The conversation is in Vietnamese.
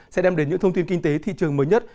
sẽ đem đến những thông tin kinh tế thị trường mới nhất